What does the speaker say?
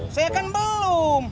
saya kan belum